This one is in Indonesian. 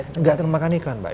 tidak akan termakan iklan mbak